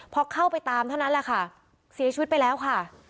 พอเข้าไปตามเท่านั้นแหละค่ะเสียชีวิตไปแล้วค่ะ